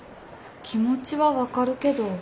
気持ちは分かるけど。